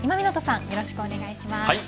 よろしくお願いします。